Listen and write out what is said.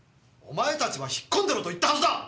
お前たちは引っ込んでろと言ったはずだ！